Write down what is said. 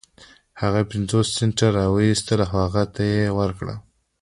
هغه پنځوس سنټه را و ايستل او هغې ته يې ورکړل.